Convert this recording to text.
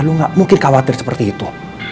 lu gak mungkin khawatir seperti itu